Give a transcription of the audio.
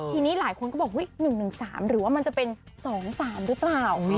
ทีนี้หลายคนก็บอก๑๑๓หรือว่ามันจะเป็น๒๓หรือเปล่า